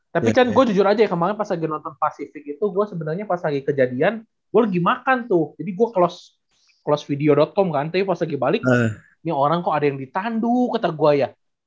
tapi kan gue jujur aja ya kemarin pas lagi nonton pasifik itu gue sebenarnya pas lagi kejadian gue lagi makan tuh jadi gue close video com kan tapi pas lagi balik nih orang kok ada yang ditandu keter gue ya